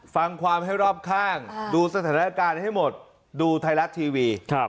ฟังความให้รอบข้างดูสถานการณ์ให้หมดดูไทยรัฐทีวี